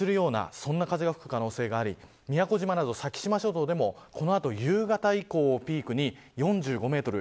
そんな風が吹く可能性があり宮古島など先島諸島でもこの後夕方以降をピークに４５メートル。